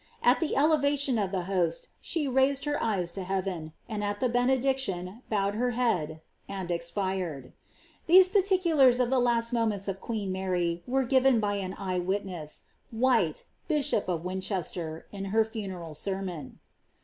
At the elevation of m host, she raised her eyes to heaven, and at the benediction, bowed ir head, and expired. These particulara of the last moments of queen «7 were given by an eye witness, White, bishop of Winchester, in ir funeral sermon.